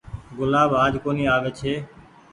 گلآب آج ڪونيٚ آوي ڇي۔